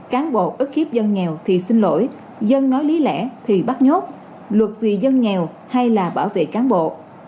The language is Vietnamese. cán bộ ức khiếp dân nghèo thì xin lỗi dân nói lý lẽ thì bắt nhốt luật vì dân nghèo hay là bảo vệ cán bộ